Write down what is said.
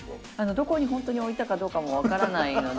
どこにほんとに置いたかどうかも分からないので。